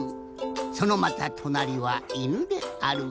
そのまたとなりはいぬである。